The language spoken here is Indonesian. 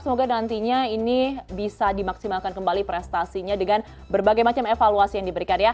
semoga nantinya ini bisa dimaksimalkan kembali prestasinya dengan berbagai macam evaluasi yang diberikan ya